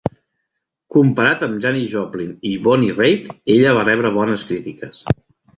Comparat amb Janis Joplin i Bonnie Raitt, ella va rebre bones crítiques.